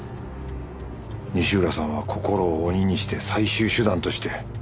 西浦さんは心を鬼にして最終手段としてあなたを脅した。